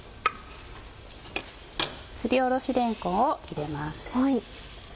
すりおろしれんこんを入れます。